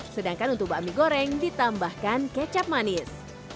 sedangkan untuk bakmi goreng ditambahkan kecap manis